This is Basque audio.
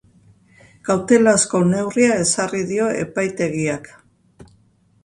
Kautelazko neurria ezarri dio epaitegiak.